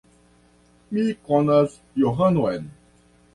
Mi konas Johanon.